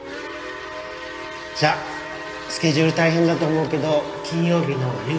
じゃあスケジュール大変だと思うけど金曜日の夕方までによろしくね。